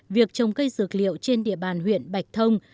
việc trồng cây dược liệu trên địa bàn huyện bạch thông